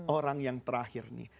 orang yang terakhir nih